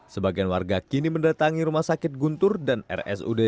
sebagian warga kini mendatangi rumah sakit guntur dan rsud